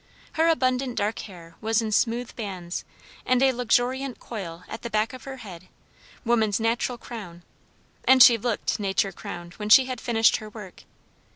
Her abundant dark hair was in smooth bands and a luxuriant coil at the back of her head woman's natural crown; and she looked nature crowned when she had finished her work.